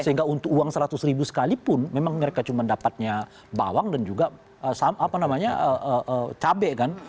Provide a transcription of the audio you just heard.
sehingga untuk uang seratus ribu sekalipun memang mereka cuma dapatnya bawang dan juga cabai kan